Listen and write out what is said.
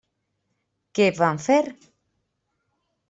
Què van fer?